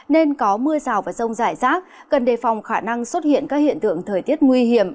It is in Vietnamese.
nên có mưa rào và rông rải rác cần đề phòng khả năng xuất hiện các hiện tượng thời tiết nguy hiểm